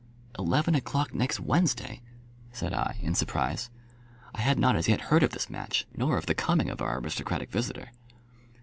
"Eleven o'clock next Wednesday," said I, in surprise. I had not as yet heard of this match, nor of the coming of our aristocratic visitor.